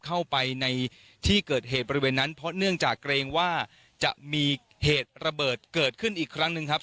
เข้าไปในที่เกิดเหตุบริเวณนั้นเพราะเนื่องจากเกรงว่าจะมีเหตุระเบิดเกิดขึ้นอีกครั้งหนึ่งครับ